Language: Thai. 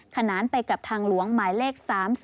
ขนานไปกับทางหลวงหมายเลข๓๒